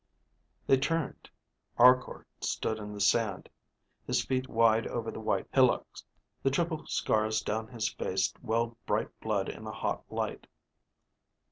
They turned. Arkor stood in the sand, his feet wide over the white hillocks. The triple scars down his face welled bright blood in the hot light.